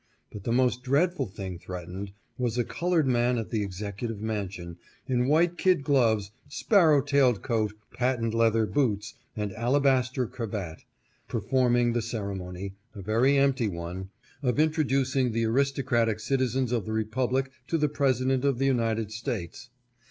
But the most dreadful thing threatened, was a colored man at the Executive Mansion in white kid gloves, spar row tailed coat, patent leather boots, and alabaster cravat, performing the ceremony — a very empty one — of intro APPOINTMENT SUPPORTED BY SENATOR CONKLING. 513 during the aristocratic citizens of the republic to the President of the United States.